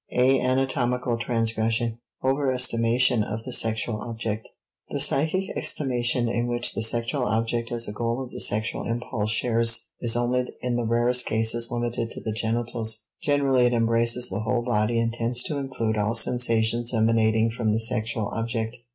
(a) Anatomical Transgression *Overestimation of the Sexual Object.* The psychic estimation in which the sexual object as a goal of the sexual impulse shares is only in the rarest cases limited to the genitals; generally it embraces the whole body and tends to include all sensations emanating from the sexual object.